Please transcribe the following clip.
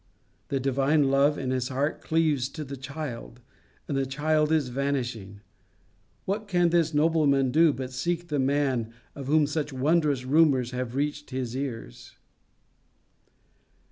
The divine love in his heart cleaves to the child, and the child is vanishing! What can this nobleman do but seek the man of whom such wondrous rumours have reached his ears?